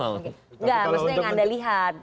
enggak maksudnya yang anda lihat